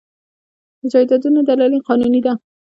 د جایدادونو دلالي قانوني ده؟